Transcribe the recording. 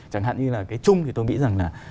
chẳng hạn như là cái chung thì tôi nghĩ rằng là